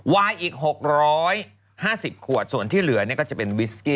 วายอีก๖๕๐ขวดส่วนที่เหลือก็จะเป็นวิสกี้